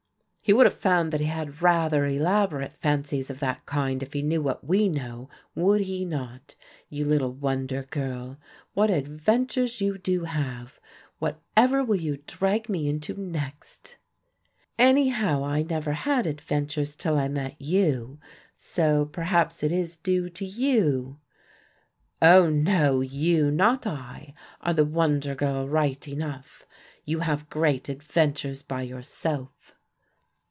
"He would have found that he had rather elaborate fancies of that kind if he knew what we know, would he not, you little wonder girl; what adventures you do have; whatever will you drag me into next?" "Anyhow I never had adventures till I met you, so perhaps it is due to you." "Oh, no, you, not I, are the wonder girl right enough; you have great adventures by yourself."